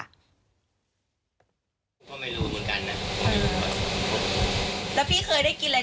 แท้แท้เขามีเรือกก็ไม่เคยเห็นเลย